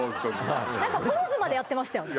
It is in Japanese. ポーズまでやってましたよね